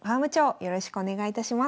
よろしくお願いします。